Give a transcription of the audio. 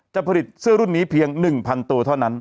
จะผลิตเสื้อรุ่นนี้เพียง๑๐๐ตัวเท่านั้น